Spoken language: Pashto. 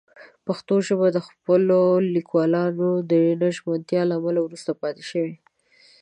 پښتو ژبه د خپلو لیکوالانو د نه ژمنتیا له امله وروسته پاتې شوې.